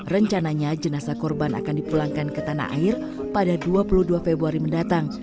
rencananya jenazah korban akan dipulangkan ke tanah air pada dua puluh dua februari mendatang